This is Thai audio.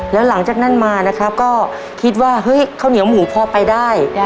แล้วหลังจากนั้นมานะครับก็คิดว่าเฮ้ยข้าวเหนียวหมูพอไปได้